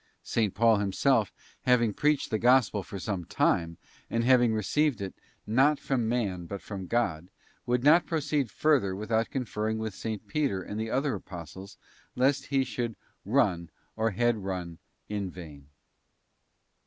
S. Paul himself, having preached the Gospel for some time, and having received it, not from man, but from God, would not proceed further without conferring with S. Peter and the other Apostles, lest he should 'run, or had run in vain.